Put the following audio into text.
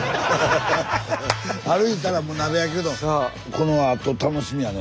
このあと楽しみやね。